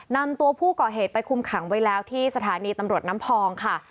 นำตัวผู้ก่อเหตุไปคุมขังไว้แล้วที่สถานีตำรวจน้ำพองค่ะ